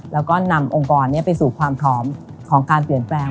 แล้วก็นำองค์กรไปสู่ความพร้อมของการเปลี่ยนแปลง